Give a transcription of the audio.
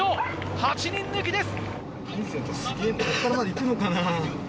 ８人抜きです。